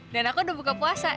dan aku udah buka puasa